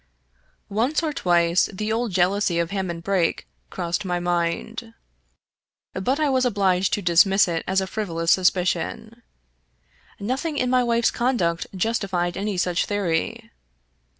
Once or twice the old jealousy of Hammond Brake crossed my mind, but I was obliged to dismiss it as a friv olous suspicion. Nothing in my wife's conduct justified any such theory.